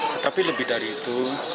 tetapi lebih dari itu